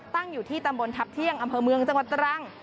ตั้งอยู่ที่ตำบลทัพเที่ยงอำเภอเมืองจังหวัดตรัง